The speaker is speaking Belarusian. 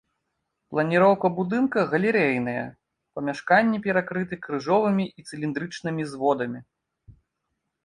Планіроўка будынка галерэйная, памяшканні перакрыты крыжовымі і цыліндрычнымі зводамі.